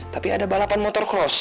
tapi ada balapan motocross